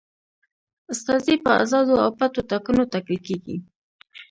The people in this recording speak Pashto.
استازي په آزادو او پټو ټاکنو ټاکل کیږي.